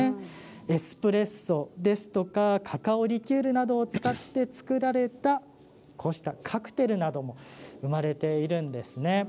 エスプレッソですとかカカオリキュールなどを使って作られたこうしたカクテルなども生まれているんですね。